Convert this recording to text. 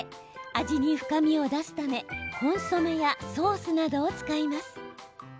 味に深みを出すためコンソメやソースなどを使います。